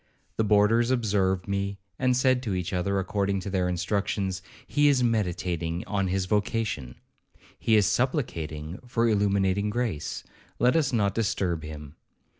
The boarders observed me, and said to each other, according to their instructions, 'He is meditating on his vocation, he is supplicating for illuminating grace, let us not disturb him.'